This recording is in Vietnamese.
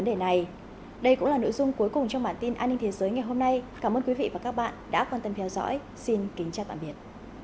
đây cũng là nội dung cuối cùng trong bản tin an ninh thế giới ngày hôm nay cảm ơn quý vị và các bạn đã quan tâm theo dõi xin kính chào tạm biệt